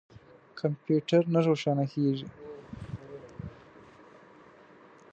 کمپیوټر نه روښانه کیږي